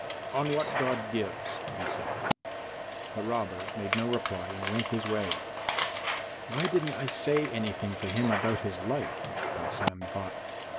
"On what God gives," he said. The robber made no reply and went his way. "Why didn't I say anything to him about his life?" the godson thought.